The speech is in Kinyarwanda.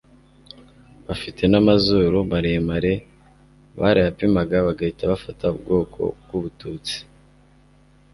bafite n'amazuru maremarebarayapimaga bagahita bafata ubwoko bw'ubututs